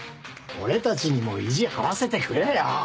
俺たちにも意地張らせてくれよ。